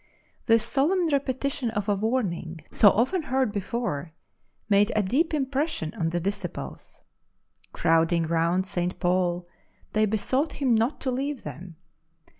This solemn repetition of a warning so often heard before made a deep impression on the disciples. Crowding round St. Paul, they besought him not to leave them.